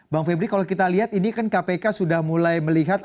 bang febri kalau kita lihat ini kan kpk sudah mulai melihat